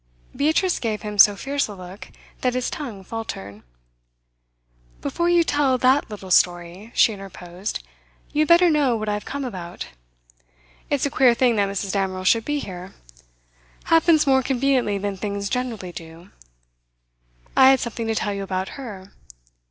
Beatrice gave him so fierce a look, that his tongue faltered. 'Before you tell that little story,' she interposed, 'you had better know what I've come about. It's a queer thing that Mrs. Damerel should be here; happens more conveniently than things generally do. I had something to tell you about her.